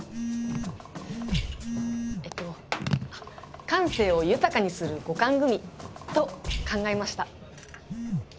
えっと感性を豊かにする五感グミと考えました。